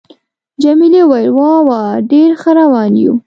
جميلې وويل:: وا وا، ډېر ښه روان یو.